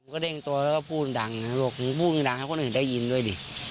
ก็เด้งตัวแล้วก็พูดดังนะบอกมึงพูดมึงดังให้คนอื่นได้ยินด้วยดิ